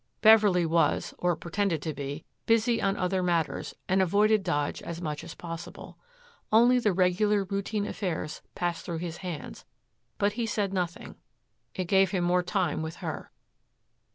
Beverley was, or pretended to be, busy on other matters and avoided Dodge as much as possible. Only the regular routine affairs passed through his hands, but he said nothing. It gave him more time with her.